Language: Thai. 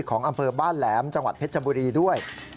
ของอำเภอบ้านแหลมจังหวัดเพชรบุรีด้วย